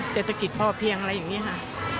เศรษฐกิจพอเพียงอะไรอย่างนี้ค่ะ